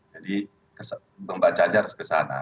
jadi membaca aja harus ke sana